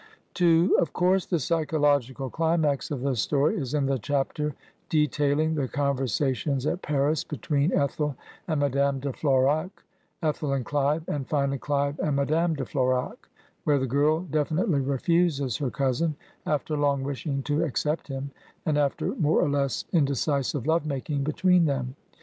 n Of course the psychological climax of the story is in the chapter detailing the conversations at Paris between Ethel and Madame de Florae, Ethel and Clive, and finally Clive and Madame de Florae, where the girl definitely refuses her cousin, after long wishing to ac* cept him, and after more or less indecisive love making between them.